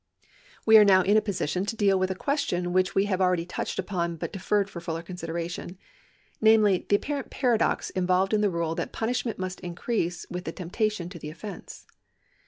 We are now in a position to deal with a question which we have already touched upon but deferred for fuller considera tion, namely the apparent paradox involved in the rule that punishment must increase with the temptation to the offence.